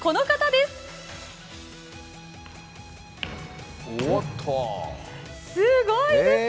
すごいです！